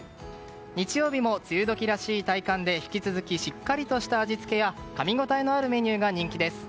日曜日も梅雨時らしい体感で引き続きしっかりとした味付けやかみごたえのあるメニューが人気です。